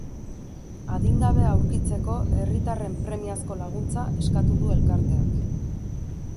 Adingabea aurkitzeko herritarren premiazko laguntza eskatu du elkarteak.